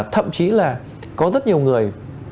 thậm chí là có rất nhiều người